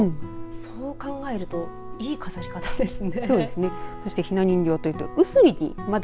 そう考えるといい飾り方ですね。